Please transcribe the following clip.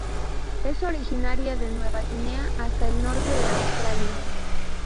Es originaria de Nueva Guinea hasta el norte de Australia.